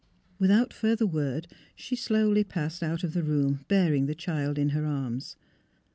Without further word she passed slowly out of the room bearing the child in her arms.